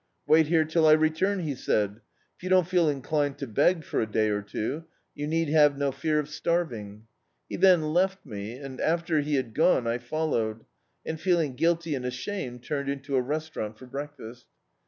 "Wait here till I return," he said. "If you don't feel inclined to beg, for a day or two, you need have no fear of Id b, Google Home starving," He then left me, and, after he had gon^ I followed, and feeling guilty and ashamed, turned into a restaurant for breakfast.